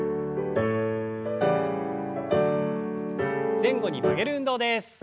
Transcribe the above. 前後に曲げる運動です。